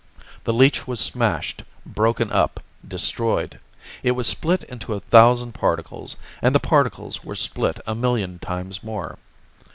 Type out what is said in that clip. The leech was smashed, broken up, destroyed. It was split into a thousand particles, and the particles were split a million times more.